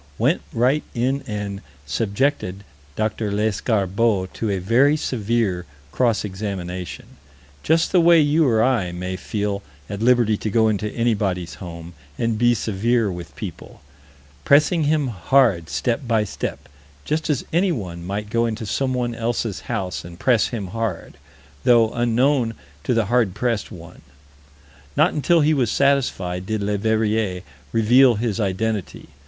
Went right in and "subjected Dr. Lescarbault to a very severe cross examination" just the way you or I may feel at liberty to go into anybody's home and be severe with people "pressing him hard step by step" just as anyone might go into someone else's house and press him hard, though unknown to the hard pressed one. Not until he was satisfied, did Leverrier reveal his identity.